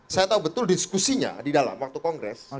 saya tahu betul diskusinya di dalam waktu kongres